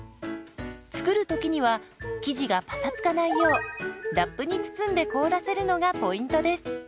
作る時には生地がパサつかないようラップに包んで凍らせるのがポイントです。